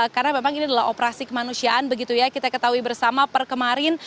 karena memang ini adalah operasi kemanusiaan begitu ya kita ketahui bersama per kemarin